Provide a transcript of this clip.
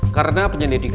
karena penyelidikan dia